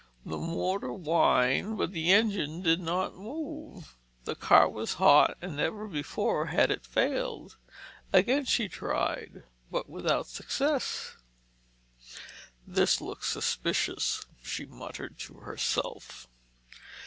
The motor whined but the engine did not move. The car was hot and never before had it failed. Again she tried, but without success. "This looks suspicious," she muttered to herself.